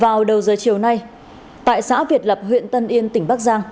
vào đầu giờ chiều nay tại xã việt lập huyện tân yên tỉnh bắc giang